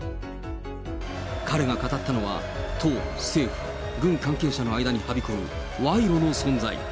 彼が語ったのは、党、政府、軍関係者の間にはびこる賄賂の存在。